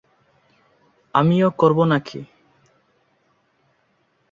আমিও করবো নাকি?